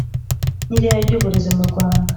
n ireme ry uburezi mu Rwanda